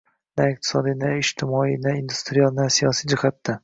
— na iqtisodiy, na ijtimoiy, na industrial, na siyosiy jihatdan.